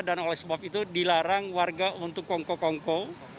oleh sebab itu dilarang warga untuk kongko kongko